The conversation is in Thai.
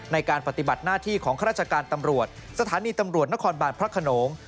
ในการปฏิบัติหน้าที่ของข้าราชการตำรวจสถานีตำรวจนครบาลพระขนง